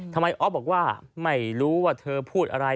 ออฟบอกว่าไม่รู้ว่าเธอพูดอะไร